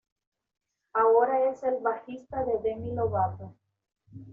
Ahora es el bajista de Demi Lovato.